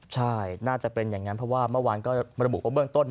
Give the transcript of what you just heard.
ใช่น่าจะเป็นอย่างนั้นเพราะว่าเมื่อวานก็ระบุว่าเบื้องต้น